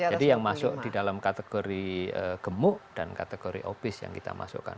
jadi yang masuk di dalam kategori gemuk dan kategori obese yang kita menyebut